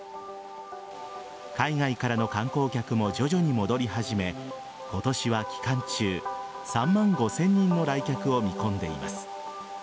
海外からの観光客も徐々に戻り始め今年は期間中３万５０００人の来客を見込んでいます。